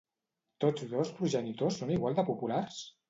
Tots dos progenitors són igual de populars?